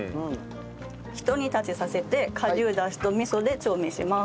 ひと煮立ちさせて顆粒ダシと味噌で調味します。